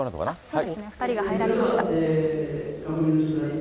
そうですね、２人が入られました。